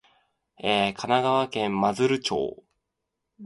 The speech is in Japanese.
神奈川県真鶴町